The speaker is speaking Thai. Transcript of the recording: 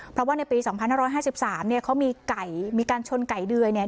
เพราะว่าในปีสองพันห้าร้อยห้าสิบสามเนี้ยเขามีไก่มีการชนไก่เดื่อยเนี้ย